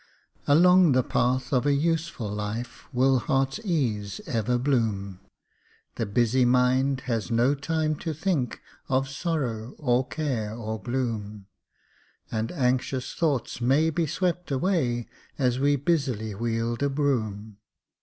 Along the path of a useful life Will heart's ease ever bloom; The busy mind has no time to think Of sorrow, or care, or gloom; And anxious thoughts may be swept away As we busily wield a broom.